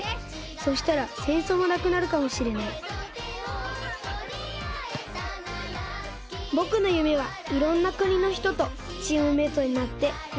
そしたらせんそうもなくなるかもしれないぼくのゆめはいろんなくにのひととチームメートになってよ